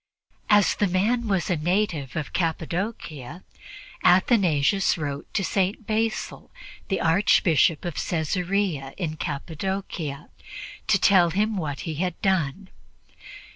As the man was a native of Cappadocia, Athanasius wrote to St. Basil, the Archbishop of Caesarea in Cappadocia, to tell him what he had done.